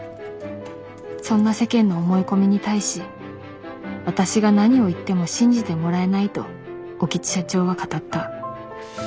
そんな世間の思い込みに対し私が何を言っても信じてもらえないと興津社長は語った。